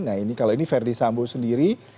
nah ini kalau ini verdi sambo sendiri